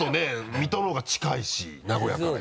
水戸の方が近いし名古屋から。